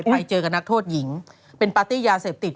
ไปเจอกับนักโทษหญิงเป็นปาร์ตี้ยาเสพติด